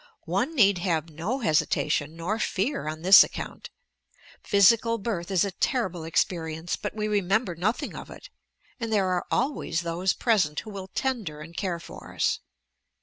One need have no hesitation nor fear on this account. Physical birth is a terrible experience, but we remember nothing of it; and there are always those present who will tender and care for us.